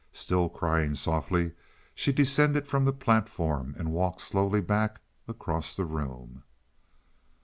Still crying softly, she descended from the platform, and walked slowly back across the room.